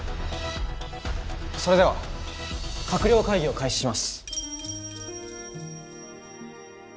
それでは閣僚会議を開始します。